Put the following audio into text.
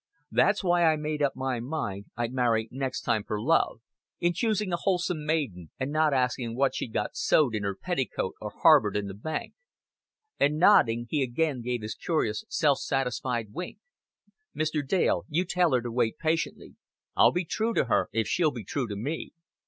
That's why I made up my mind I'd marry next time for love in choosing a wholesome maiden and not asking what she'd got sewed in her petticoat or harbored in the bank;" and, nodding, he again gave his curious self satisfied wink. "Mr. Dale, you tell her to wait patiently. I'll be true to her, if she'll be true to me."